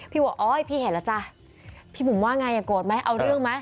พี่บุ๋มพี่เห็นแล้วจ้ะพี่บุ๋มว่าไงอย่างโกรธไหมเอาเรื่องไหม